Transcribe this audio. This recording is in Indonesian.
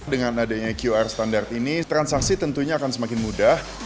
dengan adanya qr standard ini transaksi tentunya akan semakin mudah